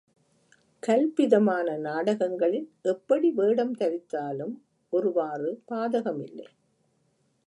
கல்பிதமான நாடகங்களில் எப்படி வேடம் தரித்தாலும் ஒருவாறு பாதகமில்லை.